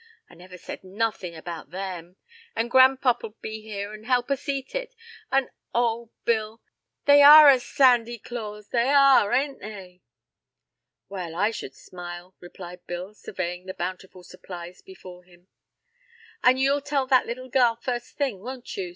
I never said nothin' about them. And gran'pop 'll be here an' help us eat it. An', oh, Bill. They are a Sandy Claus, they are, ain't they?" "Well, I should smile," replied Bill, surveying the bountiful supplies before him. "An' you'll tell that little gal first thing, won't you?"